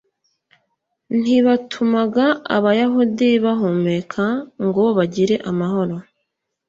ntibatumaga abayahudi bahumeka ngo bagire amahoro